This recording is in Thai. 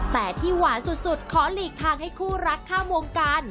แต่ที่หวานสุดขอหลีกทางให้คู่รักข้ามวงการ